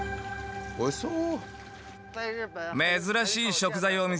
おいしそう！